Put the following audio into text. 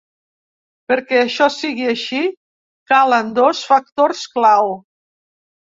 Perquè això sigui així calen dos factors clau.